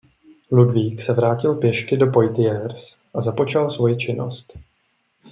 Ludvík se vrátil pěšky do Poitiers a započal svoji činnost.